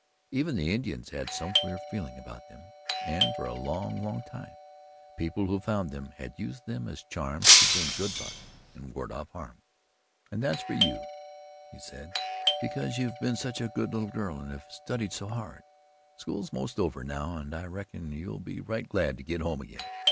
Even the Indians had some queer feeling about them, and for a long, long time people who found them had used them as charms to bring good luck and ward off harm. "And that's for you," he said, "because you've been such a good little girl and have studied so hard. School's most over now and I reckon you'll be right glad to get home again."